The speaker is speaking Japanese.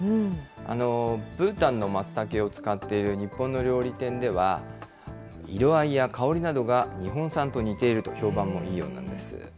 ブータンのマツタケを使っている日本の料理店では、色合いや香りなどが日本産と似ていると評判もいいようなんです。